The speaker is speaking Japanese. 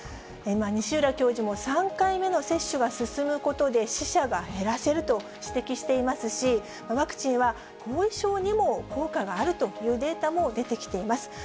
西浦教授も、３回目の接種が進むことで、死者が減らせると指摘していますし、ワクチンは後遺症にも効果があるというデータも出てきています。